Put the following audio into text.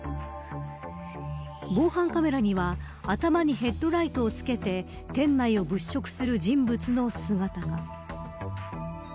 防犯カメラには頭にヘッドライトをつけて店内を物色する人物の姿が。